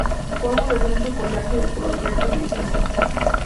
Forma un denso follaje de color verde grisáceo.